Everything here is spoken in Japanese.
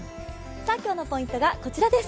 今日のポイントがこちらです。